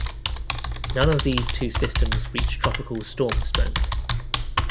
None of these two systems reached tropical storm strength.